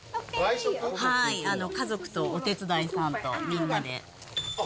家族とお手伝いさんとみんなで。